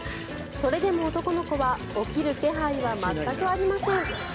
それでも男の子は起きる気配は全くありません。